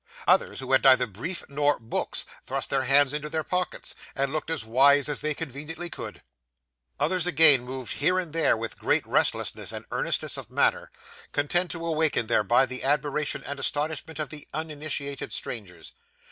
Others, who had neither briefs nor books, thrust their hands into their pockets, and looked as wise as they conveniently could; others, again, moved here and there with great restlessness and earnestness of manner, content to awaken thereby the admiration and astonishment of the uninitiated strangers.